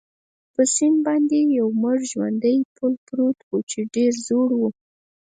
پر سیند باندې یو مړ ژواندی پل پروت وو، چې ډېر زوړ وو.